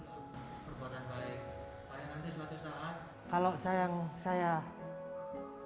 perbuatan baik supaya nanti suatu saat